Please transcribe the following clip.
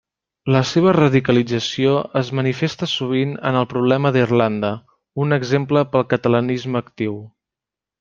La seva radicalització es manifesta sovint en el problema d'Irlanda, un exemple pel catalanisme actiu.